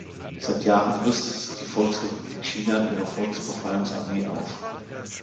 Seit Jahren rüstet die Volksrepublik China ihre Volksbefreiungsarmee auf.